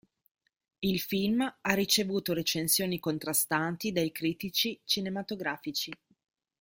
Il film ha ricevuto recensioni contrastanti dai critici cinematografici.